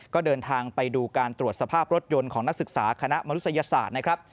ก็เดินทางไปดูการตรวจสภาพรถยนต์ของนักศึกษาคณะมนุษยศาสตร์นะครับ